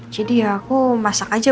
jadi ya aku masak aja